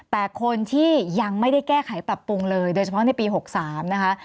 แต่คนที่ยังไม่ได้แก้ไขปรับปรุงเลยโดยเฉพาะในปี๖๓นะคะ